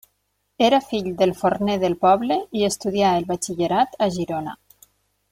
Era fill del forner del poble i estudià el batxillerat a Girona.